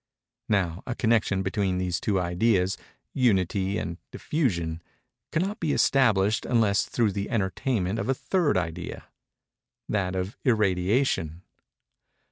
Now a connection between these two ideas—unity and diffusion—cannot be established unless through the entertainment of a third idea—that of irradiation.